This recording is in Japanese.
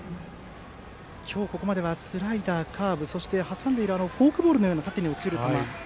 今日ここまではスライダー、カーブそして挟んでいるフォークのような縦に落ちる球。